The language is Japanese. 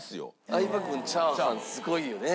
相葉君チャーハンすごいよね。